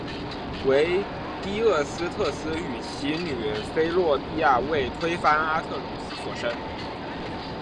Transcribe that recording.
为堤厄斯忒斯与其女菲洛庇亚为推翻阿特柔斯所生。